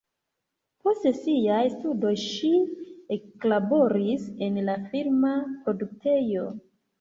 Post siaj studoj ŝi eklaboris en la filma produktejo.